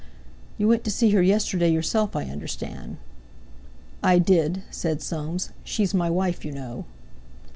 "You went to see her yesterday yourself, I understand." "I did," said Soames; "she's my wife, you know."